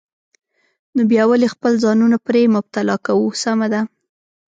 نو بیا ولې خپل ځانونه پرې مبتلا کوو؟ سمه ده.